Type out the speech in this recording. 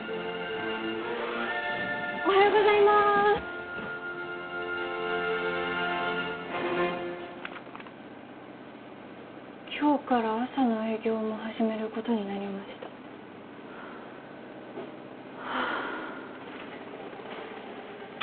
おはようございまーす「今日から朝の営業も始めることになりました」はあ